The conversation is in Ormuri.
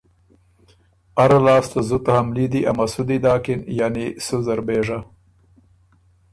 اره لاسته زُت حملي دی ا مسُودی داکِن یعنی سُو زر بېژه